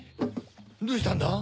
どうしたんだ？